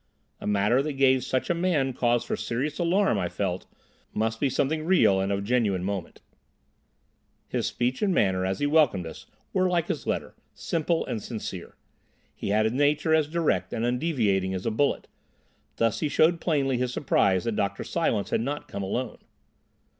A matter that gave such a man cause for serious alarm, I felt, must be something real and of genuine moment. His speech and manner, as he welcomed us, were like his letter, simple and sincere. He had a nature as direct and undeviating as a bullet. Thus, he showed plainly his surprise that Dr. Silence had not come alone.